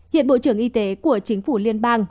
hiện bộ trưởng y tế của chính phủ liên bang